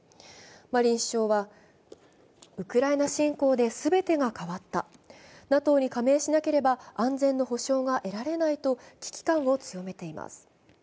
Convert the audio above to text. マリン首相は、ウクライナ侵攻で全てが変わった、ＮＡＴＯに加盟しなければ安全の保障が得られないと危機感を強めています。